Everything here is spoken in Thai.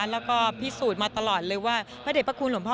แล้วก็พิสูจน์มาตลอดเลยว่าพระเด็จพระคุณหลวงพ่อ